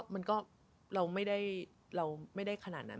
มันก็เราไม่ได้ขนาดนั้น